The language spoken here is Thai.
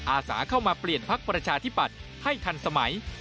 อาสาเข้ามาเปลี่ยนพักประชาธิปัตย์ให้ทันสมัย